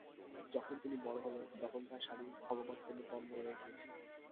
যখন তিনি বড় হলেন, তখন তাঁর স্বামী ভগবৎপ্রেমে তন্ময় হয়ে গিয়েছেন।